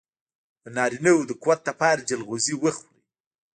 د نارینه وو د قوت لپاره چلغوزي وخورئ